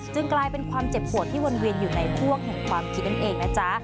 กลายเป็นความเจ็บปวดที่วนเวียนอยู่ในพ่วงแห่งความคิดนั่นเองนะจ๊ะ